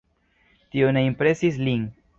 Tio ne impresis lin.